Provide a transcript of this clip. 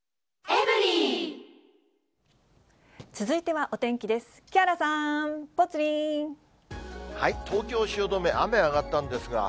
続いてはお天気です。